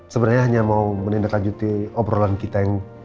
sebenarnya hanya mau menindaklanjuti obrolan kita yang